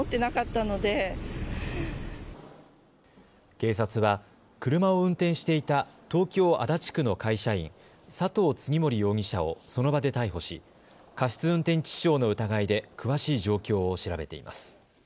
警察は車を運転していた東京足立区の会社員、佐藤次守容疑者をその場で逮捕し過失運転致死傷の疑いで詳しい状況を調べています。